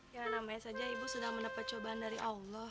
ya namanya saja ibu sedang mendapat cobaan dari allah